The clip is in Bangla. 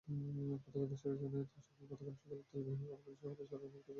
প্রত্যক্ষদর্শীরা জানায়, গতকাল সকালে তেলবাহী ওয়াগন সরানোর সময়ে একটি ব্রেকভ্যান লাইনচ্যুত হয়।